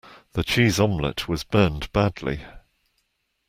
The cheese omelette was burned badly.